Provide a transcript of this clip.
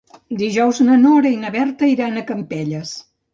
Dijous na Nora i na Berta iran a Campelles.